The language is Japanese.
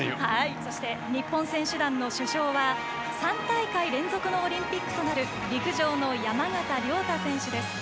そして日本選手団の主将は３大会連続のオリンピックとなる陸上の山縣亮太選手です。